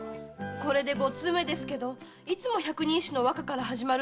これで五通目ですけどいつも百人一首の和歌から始まるんです。